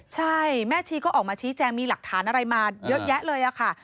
ใช่แม่ชีก็ออกมาชี้แจงมีหลักฐานอะไรมาเยอะแยะเลยค่ะ